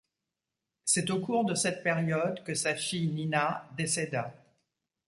C'est au cours de cette période que sa fille, Nina, décéda.